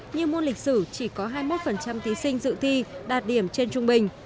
như môn lịch sử chỉ có hai mươi một thí sinh dự thi đạt điểm trên trung bình